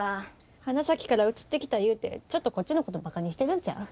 花咲から移ってきたいうてちょっとこっちのことバカにしてるんちゃう？